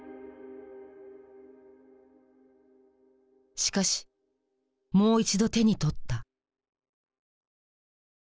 しかしもう一度手に取った。